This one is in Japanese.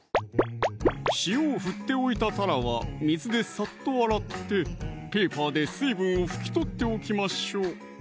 塩を振っておいたたらは水でサッと洗ってペーパーで水分を拭き取っておきましょう